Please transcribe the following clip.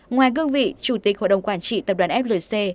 ngoài gương vị chủ tịch hội đồng quản trị tập đoàn flc